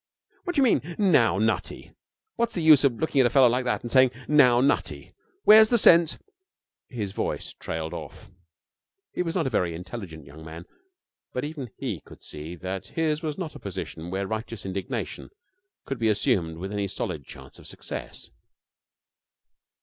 'What do you mean "Now, Nutty"? What's the use of looking at a fellow like that and saying "Now, Nutty"? Where's the sense ' His voice trailed off. He was not a very intelligent young man, but even he could see that his was not a position where righteous indignation could be assumed with any solid chance of success.